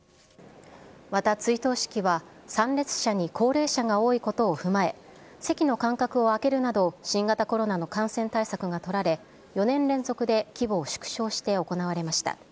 また追悼式は、参列者に高齢者が多いことを踏まえ、席の間隔を空けるなど、新型コロナの感染対策が取られ、４年連続で規模を縮小して行われました。